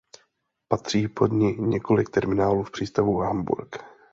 Patří pod ni několik terminálů v přístavu Hamburg.